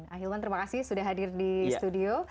ahilman terima kasih sudah hadir di studio